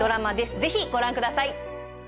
ぜひご覧ください